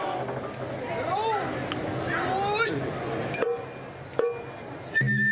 よい！